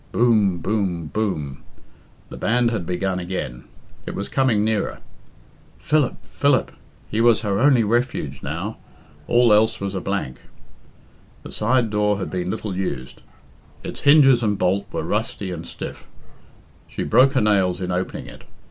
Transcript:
Boom! Boom! Boom! The band had begun again. It was coming nearer. Philip! Philip! He was her only refuge now. All else was a blank. The side door had been little used. Its hinges and bolt were rusty and stiff. She broke her nails in opening it.